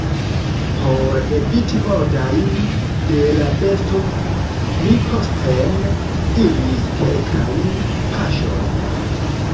Por eviti mordojn de la besto, mi posten iris kelkajn paŝojn.